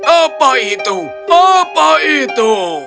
apa itu apa itu